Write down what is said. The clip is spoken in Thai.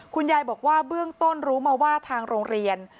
คุณยายบอกว่าเบื้องต้นรู้มาว่าทางโรงเรียน